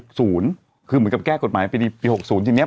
คือเหมือนกับแก้กฎหมายปี๖๐ทีนี้